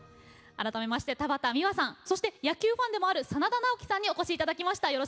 改めまして田畑実和さんそして野球ファンでもある真田ナオキさんにお越し頂きました。